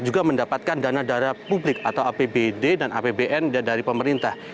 juga mendapatkan dana darah publik atau apbd dan apbn dari pemerintah